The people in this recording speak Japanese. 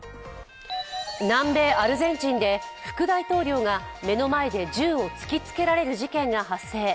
南米アルゼンチンで副大統領が目の前で銃を突きつけられる事件が発生。